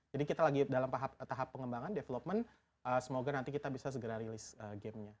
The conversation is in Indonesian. jadi kita lagi dalam tahap pengembangan development semoga nanti kita bisa segera rilis game nya